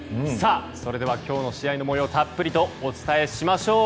それでは今日の試合の模様をたっぷりとお伝えしましょう。